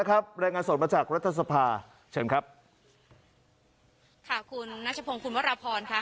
รายงานสดมาจากรัฐสภาเชิญครับค่ะคุณนัชพงศ์คุณวรพรค่ะ